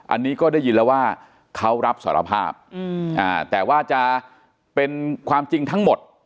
อันนี้ก็ได้ยินแล้วว่าเขารับสารภาพแต่ว่าจะเป็นความจริงทั้งหมด